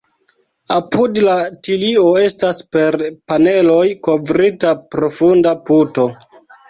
Apud la tilio estas per paneloj kovrita profunda puto.